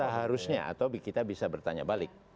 seharusnya atau kita bisa bertanya balik